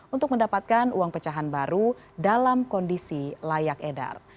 untuk mendapatkan uang pecahan baru dalam kondisi layak edar